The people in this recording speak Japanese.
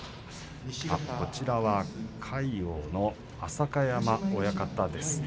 こちらは魁皇の浅香山親方です。